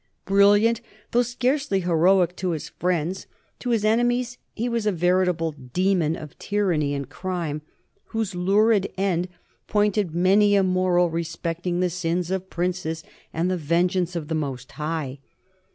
Brilliant though scarcely heroic to his friends, to his enemies he was a veritable demon of tyranny and crime, whose lurid end pointed many a moral respecting the sins of princes and the vengeance of the Most High.